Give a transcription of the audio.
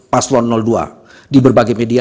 paslon dua di berbagai media